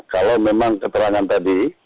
kalau memang keterangan tadi